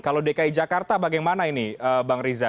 kalau dki jakarta bagaimana ini bang riza